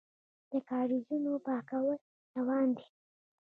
د کاریزونو پاکول روان دي؟